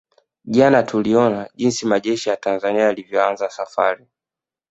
Jana tuliona jinsi majeshi ya Tanzania yalivyoanza safari